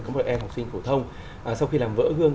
có một em học sinh phổ thông sau khi làm vỡ gương